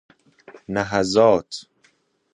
نهضات